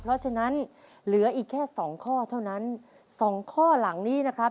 เพราะฉะนั้นเหลืออีกแค่สองข้อเท่านั้นสองข้อหลังนี้นะครับ